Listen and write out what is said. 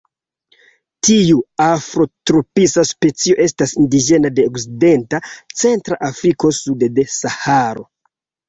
Tiu afrotropisa specio estas indiĝena de Okcidenta Centra Afriko sude de Saharo.